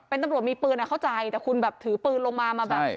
เป็นตำรวจมีปืนอ่ะเข้าใจแต่คุณแบบถือปืนลงมามาแบบ